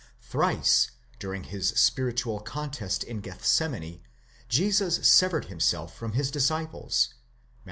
Thrice during his spiritual contest in Gethsemane Jesus severed him self from his disciples (Matt.